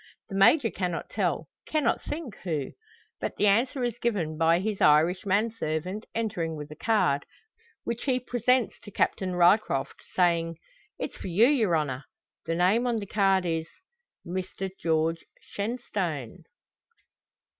The Major cannot tell cannot think who. But the answer is given by his Irish manservant entering with a card, which he presents to Captain Ryecroft, saying: "It's for you, yer honner." The name on the card is "Mr George Shenstone."